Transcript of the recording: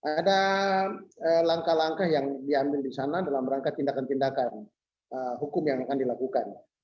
ada langkah langkah yang diambil di sana dalam rangka tindakan tindakan hukum yang akan dilakukan